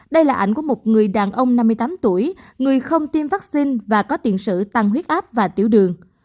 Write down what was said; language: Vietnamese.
đây là ảnh của một người đàn ông năm mươi tám tuổi người không tiêm vaccine và có tiền sử tăng huyết áp và tiểu đường